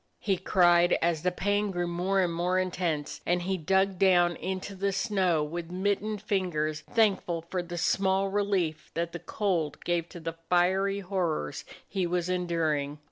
he cried, as the pain grew more and more in tense, and he dug down into the snow with his mittened fingers, thankful for the small relief that the cold gave to the fiery horrors he was enduring.